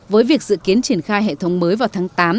với việc dự kiến triển khai hệ thống mới vào tháng tám